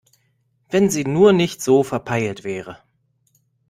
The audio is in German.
Wenn sie nur nicht so verpeilt wäre!